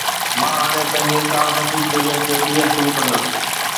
مان هاڻي پنهنجي صحافتي ڪيريئر کي ٻيهر شروع ڪندس